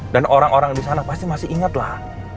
dan orang orang di sana pasti masih inget lah